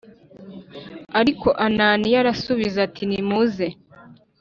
Ariko Ananiya arasubiza ati nimuze